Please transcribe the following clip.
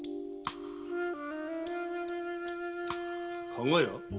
加賀屋？